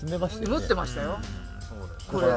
持ってましたよこれ。